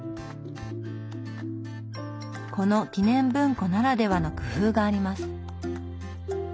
この記念文庫ならではの工夫があります。